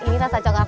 ini rasa coklat